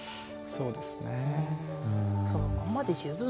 そうですね。